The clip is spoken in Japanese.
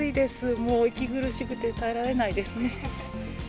もう息苦しくて耐えられないですね。